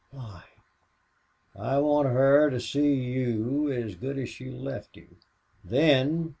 "Why?" "I want her to see you as good as she left you. Then!...